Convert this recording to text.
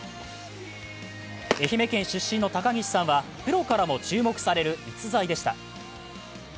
愛媛県出身の高岸さんはプロからも注目される逸材でした。